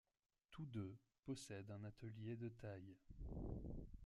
Tous deux possèdent un atelier de taille.